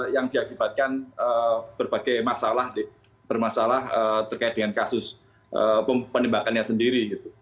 yang diakibatkan berbagai masalah bermasalah terkait dengan kasus penembakannya sendiri